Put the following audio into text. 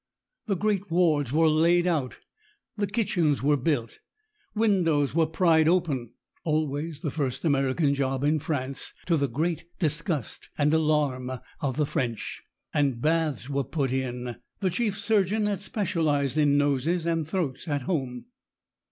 The great wards were laid out, the kitchens were built, windows were pried open always the first American job in France, to the great disgust and alarm of the French and baths were put in. The chief surgeon had specialized in noses and throats at home.